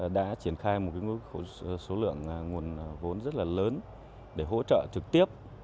đã triển khai một số lượng nguồn vốn rất là lớn để hỗ trợ trực tiếp